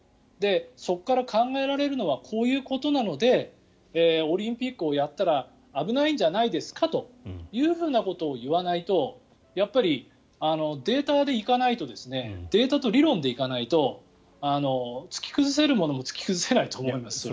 そこから考えられるのはこういうことなのでオリンピックをやったら危ないんじゃないですかということを言わないとやっぱりデータで行かないとデータと理論で行かないと突き崩せるものも突き崩せないと思いますよ。